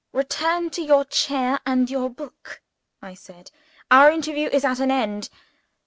"Return to your chair and your book," I said. "Our interview is at an end.